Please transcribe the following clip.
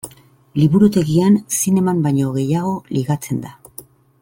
Liburutegian zineman baino gehiago ligatzen da.